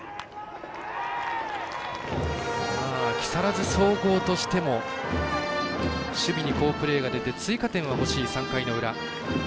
木更津総合としても守備に好プレーが出て追加点は欲しい３回の裏。